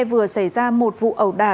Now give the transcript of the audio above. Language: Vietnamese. vừa xảy ra một vụ ẩu đả